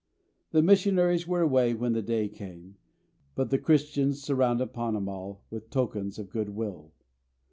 The missionaries were away when the day came, but the Christians surrounded Ponnamal with tokens of goodwill.